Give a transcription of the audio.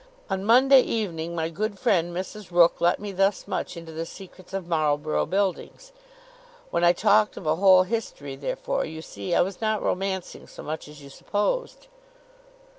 On Monday evening, my good friend Mrs Rooke let me thus much into the secrets of Marlborough Buildings. When I talked of a whole history, therefore, you see I was not romancing so much as you supposed."